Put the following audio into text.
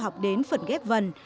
học đến phần ghép vần